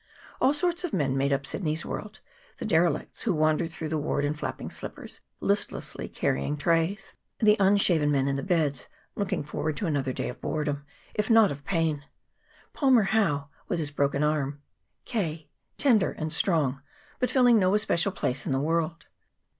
All sorts of men made up Sidney's world: the derelicts who wandered through the ward in flapping slippers, listlessly carrying trays; the unshaven men in the beds, looking forward to another day of boredom, if not of pain; Palmer Howe with his broken arm; K., tender and strong, but filling no especial place in the world.